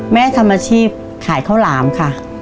แม่ทำอาชีพขายข้าวหลามค่ะ